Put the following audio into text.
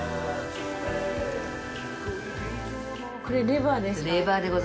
これレバーですか？